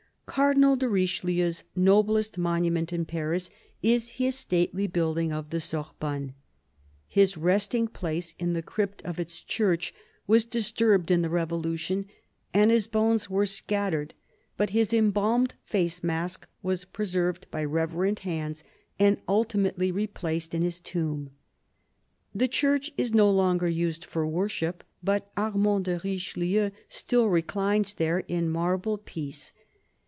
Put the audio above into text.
Cardinal de Richelieu's noblest monument in Paris is his stately building of the Sorbonne. His resting place in the crypt of its Church was disturbed in the Revolution, and his bones were scattered, but his embalmed face mask was preserved by reverent hands and ultimately replaced in his tomb. The Church is no longer used for worship ; but Armand de Richelieu still reclines there in marble peace.